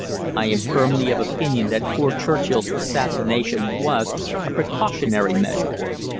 I am firmly of opinion that poor Churchill's assassination was a 'precautionary' measure.